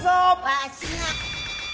「わしが」